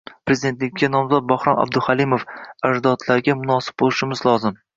Prezidentlikka nomzod Bahrom Abduhalimov: “Ajdodlarga munosib bo‘lishimiz lozim”